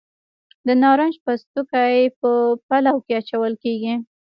د نارنج پوستکي په پلو کې اچول کیږي.